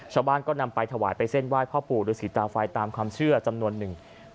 ชาวบ้านก็นำไปถวายไปเส้นไหว้พ่อปู่ฤษีตาไฟตามความเชื่อจำนวนหนึ่ง